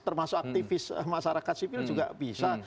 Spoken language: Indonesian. termasuk aktivis masyarakat sipil juga bisa